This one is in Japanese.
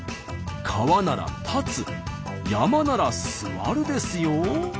「川」なら「たつ」「山」なら「すわる」ですよ。